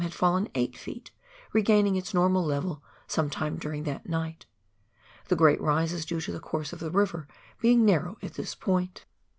had fallen 8 ft., regaining its normal level some time during that night. The great rise is due to the course of the river being narrow at this point.